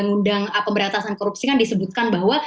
secara eksplisit di dalam uu pemberantasan korupsi kan disebutkan bahwa